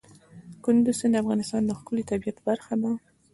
کندز سیند د افغانستان د ښکلي طبیعت برخه ده.